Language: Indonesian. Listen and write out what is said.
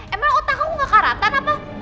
emang otak aku gak keharatan apa